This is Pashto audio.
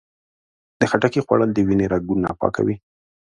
د خټکي خوړل د وینې رګونه پاکوي.